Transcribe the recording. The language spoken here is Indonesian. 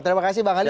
terima kasih bang ali